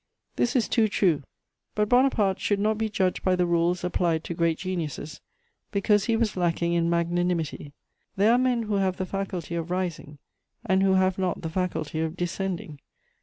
This is too true; but Bonaparte should not be judged by the rules applied to great geniuses, because he was lacking in magnanimity. There are men who have the faculty of rising, and who have not the faculty of descending.